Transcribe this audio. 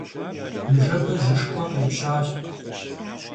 Ныжэбэ жьышхуэ къепщащ.